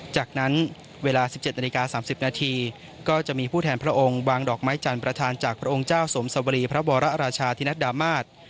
จากนั้นเวลา๑๗นาฬิกา๓๐นาทีก็จะมีผู้แทนพระองค์วางดอกไม้จันทร์ประธานจากพระองค์เจ้าสมสวรีพระวรราชาธินัดดามาศ